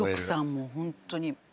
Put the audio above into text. もうホントに。